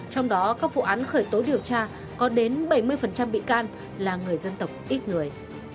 trong đó các vụ án khởi tố điều tra có đến bảy mươi bị can là người dân tộc ít người